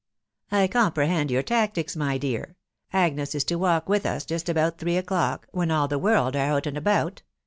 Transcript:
" I comprehend your tactics, my dear .... Agnes is to walk with us just about three o'clock, when all the world out and about.